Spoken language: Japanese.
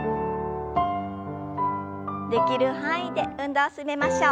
できる範囲で運動を進めましょう。